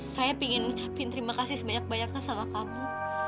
saya ingin ngucapin terima kasih sebanyak banyaknya sama kamu